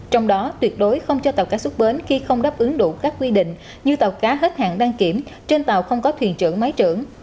trong đó tuyệt đối không cho tàu cá xuất bến khi không đáp ứng đủ các quy định như tàu cá hết hạn đăng kiểm trên tàu không có thuyền trưởng máy trưởng